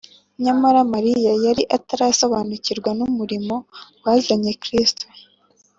Nyamara Mariya yari atarasobanukirwa n’umurimo wazanye Kristo